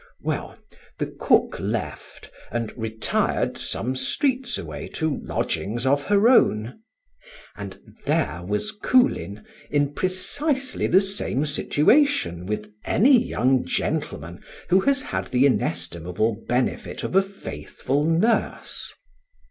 Well, the cook left, and retired some streets away to lodgings of her own; and there was Coolin in precisely the same situation with any young gentleman who has had the inestimable benefit of a faithful nurse.